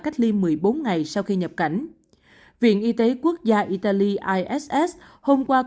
cách ly một mươi bốn ngày sau khi nhập cảnh viện y tế quốc gia italy iss hôm qua